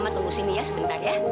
kita tunggu sini ya sebentar ya